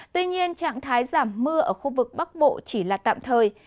tuy nhiên trạng thái giảm mưa ở khu vực bắc bộ chỉ là tạm thời